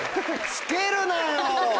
つけるなよ！